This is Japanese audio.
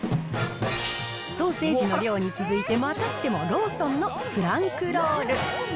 ソーセージの量に続いて、またしてもローソンのフランクロール。